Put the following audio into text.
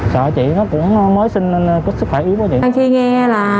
sợ chị nó cũng mới sinh nên sức khỏe yếu